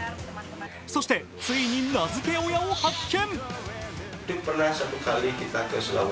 そしてついに名付け親を発見！